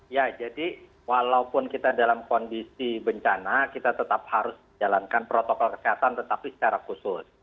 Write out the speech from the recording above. ya jadi walaupun kita dalam kondisi bencana kita tetap harus jalankan protokol kesehatan tetapi secara khusus